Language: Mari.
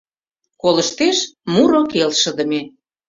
Колыштеш — муро келшыдыме.